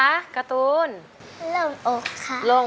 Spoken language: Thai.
ศิลปินก็คือคุณวิรดาวงเทวันนั่นเอง